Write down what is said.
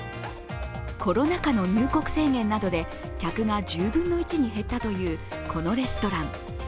コロナ禍の入国制限などで客が１０分の１に減ったというこのレストラン。